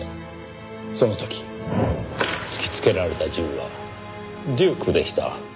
その時突きつけられた銃はデュークでした。